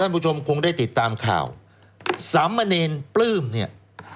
ผู้ชมคงได้ติดตามข่าวสามเณรปลื้มเนี่ย